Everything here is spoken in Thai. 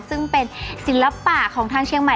ซึ่งเป็นศิลปะของทางเชียงใหม่